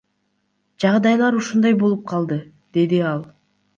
Жагдайлар ушундай болуп калды, — деди ал.